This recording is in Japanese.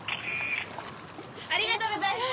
ありがとうございます。